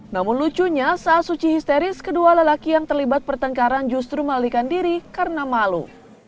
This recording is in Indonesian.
namun lucunya saat suci histeris kedua lelaki yang terlibat pertengkaran justru melalikan diri karena malu